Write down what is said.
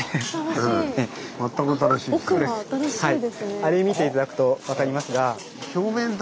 あれ見て頂くと分かりますが。